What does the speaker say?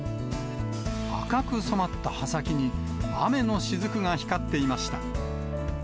赤く染まった葉先に、雨のしずくが光っていました。